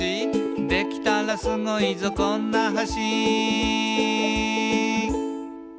「できたらスゴいぞこんな橋」